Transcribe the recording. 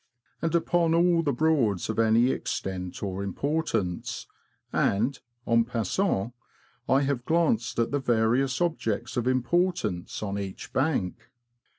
and upon all the Broads of any extent or importance ; and, en passant^ I have glanced at the various objects of importance on each bank.